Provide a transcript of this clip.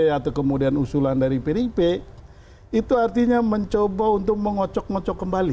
atau kemudian usulan dari pdip itu artinya mencoba untuk mengocok ngocok kembali